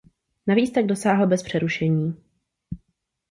Navíc tak dosáhl bez přerušení.